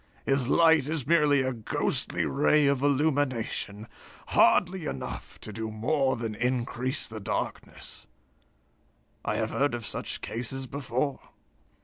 His light is merely a ghostly ray of illumination, hardly enough to do more than increase the darkness. I have heard of such cases before."